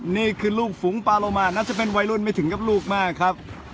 นี่คือลูกฝูงปาโลมาน่าจะเป็นวัยรุ่นไม่ถึงกับลูกมากครับ